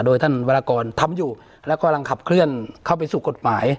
โดยท่านวรากรทำอยู่แล้วกำลังขับเคลื่อนเข้าไปสู่กฎหมาย